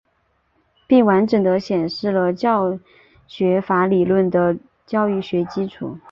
并完整地显示了教学法理论的教育学基础。